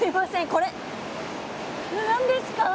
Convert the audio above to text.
これ何ですか？